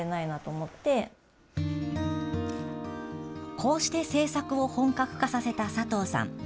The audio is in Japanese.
こうして制作を本格化させた佐藤さん。